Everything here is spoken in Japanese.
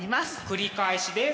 繰り返しです。